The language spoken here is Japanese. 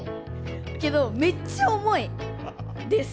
けどめっちゃ重いです。